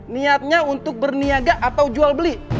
niatnya untuk berniaga atau jual beli